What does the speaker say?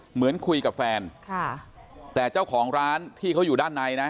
เหมือนคุยกับแฟนค่ะแต่เจ้าของร้านที่เขาอยู่ด้านในนะ